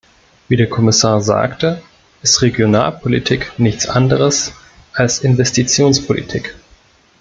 Wie der Kommissar sagte, ist Regionalpolitik nichts anderes als Investitionspolitik.